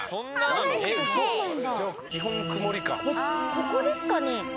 ここですかね？